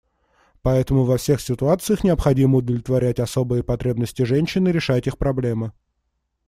Поэтому во всех ситуациях необходимо удовлетворять особые потребности женщин и решать их проблемы.